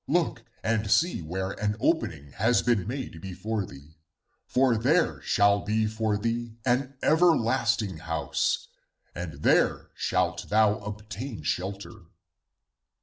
Look and see where an opening has been made before thee, for there shall be for thee an ever lasting house, and there shalt thou obtain shelter.'